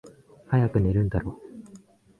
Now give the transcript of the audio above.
早く寝るんだろ？